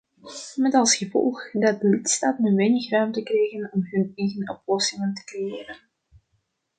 Met als gevolg dat lidstaten weinig ruimte krijgen om hun eigen oplossingen te creëren.